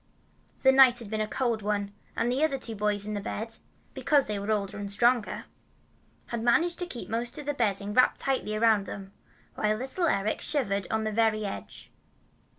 The night had been a cold one, and the other two boys in the bed, because they were older and stronger, had managed to keep most of the bedding wrapped tightly around them, while little Eric shivered on the very edge.